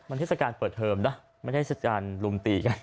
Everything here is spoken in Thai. มันศิษยการเปิดเทอมนะไม่ใช่ศิษย์การรุมตีกัน